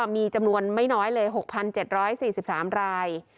มีจำนวนไม่น้อยเลย๖๗๔๓ราย